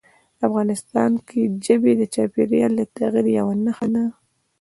افغانستان کې ژبې د چاپېریال د تغیر یوه نښه ده.